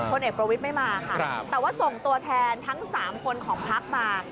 เอกประวิทย์ไม่มาค่ะแต่ว่าส่งตัวแทนทั้ง๓คนของพักมา